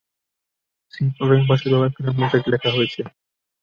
C programming ভাষা ব্যবহার করে মোজাইক লেখা হয়েছে।